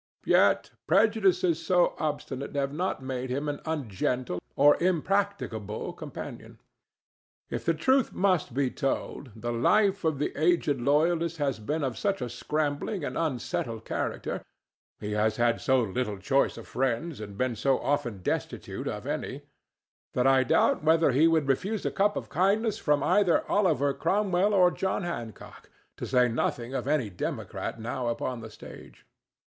Yet prejudices so obstinate have not made him an ungentle or impracticable companion. If the truth must be told, the life of the aged loyalist has been of such a scrambling and unsettled character—he has had so little choice of friends and been so often destitute of any—that I doubt whether he would refuse a cup of kindness with either Oliver Cromwell or John Hancock, to say nothing of any democrat now upon the stage.